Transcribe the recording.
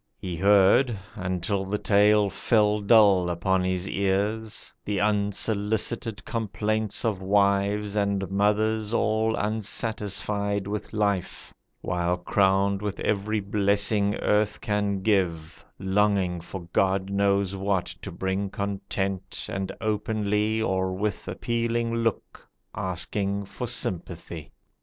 He heard (Until the tale fell dull upon his ears) The unsolicited complaints of wives And mothers all unsatisfied with life, While crowned with every blessing earth can give Longing for God knows what to bring content, And openly or with appealing look Asking for sympathy.